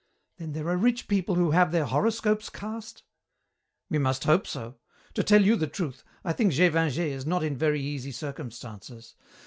"Then there are rich people who have their horoscopes cast?" "We must hope so. To tell you the truth, I think Gévingey is not in very easy circumstances.